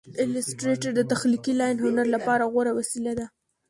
ایلیسټریټر د تخلیقي لاین هنر لپاره غوره وسیله ده.